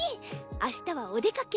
明日はお出かけ。